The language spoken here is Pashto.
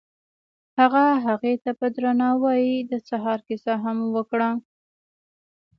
هغه هغې ته په درناوي د سهار کیسه هم وکړه.